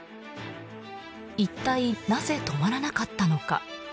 一体なぜ止まらなかったのか。